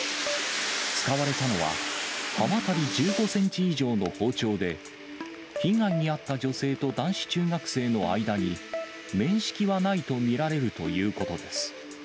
使われたのは、刃渡り１５センチ以上の包丁で、被害に遭った女性と男子中学生の間に、面識はないと見られるということです。